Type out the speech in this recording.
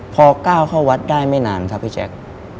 พอก้าวเข้าวัดได้ไม่นานครับพี่แจ๊ค